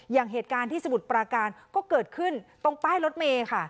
อย่างเหตุการณ์ที่สมุทรปราการก็เกิดขึ้นตรงป้ายรถเมย์ค่ะ